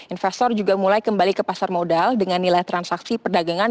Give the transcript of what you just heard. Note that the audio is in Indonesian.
investor juga mulai kembali ke pasar modal dengan nilai transaksi perdagangan